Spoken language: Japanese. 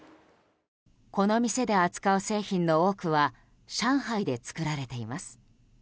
この店で扱う製品の多くは上海で作られています。